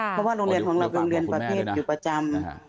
เพราะว่าโรงเรียนของเราโรงเรียนประเภทอยู่ประจำ